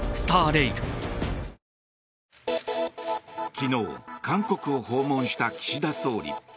昨日、韓国を訪問した岸田総理。